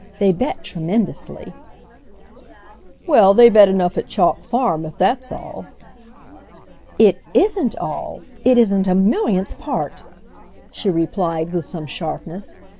They bet tremendously." "Well, they bet enough at Chalk Farm, if that's all." "It isn't all. It isn't a millionth part!" she replied with some sharpness.